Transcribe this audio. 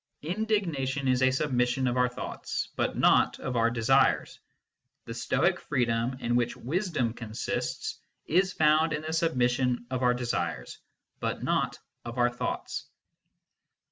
Indignation is a submission of our thoughts, but not of our desires ; the Stoic freedom in which wisdom consists is found in the submission of our desires, but not of our thoughts.